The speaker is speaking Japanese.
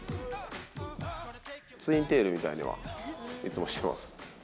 ツインテールみたいには、いつもしています。